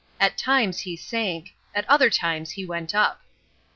At times he sank. At other times he went up.